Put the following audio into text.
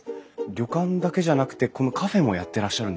旅館だけじゃなくてこのカフェもやってらっしゃるんですね。